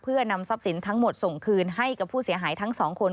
เพื่อนำทรัพย์สินทั้งหมดส่งคืนให้กับผู้เสียหายทั้งสองคน